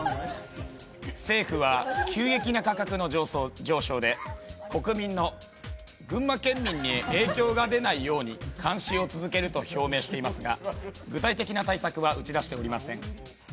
政府は急激な価格の上昇で国民の群馬県民に影響が出ないように監視を続けると表明していますが、具体的な対策は打ち出せておりません。